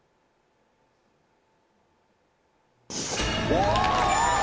お！